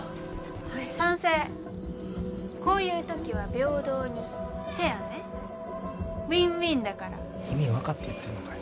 はい賛成こういう時は平等にシェアねウィンウィンだから意味分かって言ってんのかよ